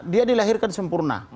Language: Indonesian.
dia dilahirkan sempurna